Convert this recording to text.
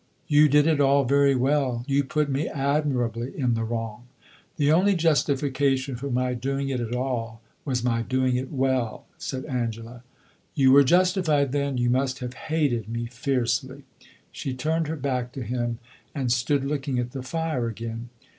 "You did it all very well. You put me admirably in the wrong." "The only justification for my doing it at all was my doing it well," said Angela. "You were justified then! You must have hated me fiercely." She turned her back to him and stood looking at the fire again.